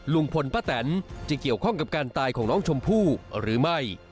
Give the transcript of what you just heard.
ลุงพลป้าแตนจะเกี่ยวข้องกับการตายของน้องชมพู่หรือไม่